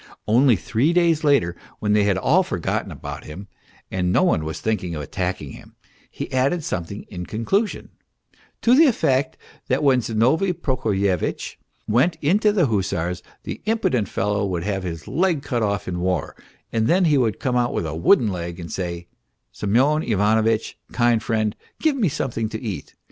Only three days later, when they had all forgotten ME. PROHARTCHIN 263 about him, and no one was thinking of attacking him, he added something in conclusion to the effect that when Zinovy Proko fyevitch went into the hussars the impudent fellow would have his leg cut off in the war, and then he would come with a wooden leg and say ;" Semyon Ivanovitch, kind friend, give me some thing to eat